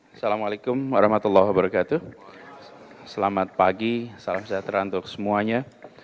assalamualaikum warahmatullahi wabarakatuh selamat pagi salam sejahtera untuk semuanya